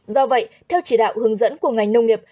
do vậy theo chỉ đạo hướng dẫn của ngành nông nghiệp